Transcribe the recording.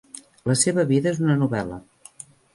La seva vida és una novel·la.